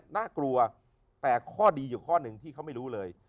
น่ากลัวแต่ข้อดีอยู่ข้อหนึ่งที่เขาไม่รู้เลย